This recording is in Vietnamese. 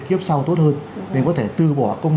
kiếp sau tốt hơn nên có thể từ bỏ công